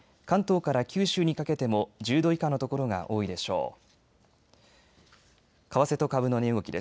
関東から九州にかけても１０度以下の所が多いでしょう。